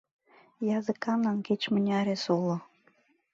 Языканлан кеч-мыняре суло —